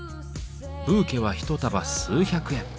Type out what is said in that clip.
ブーケは一束数百円。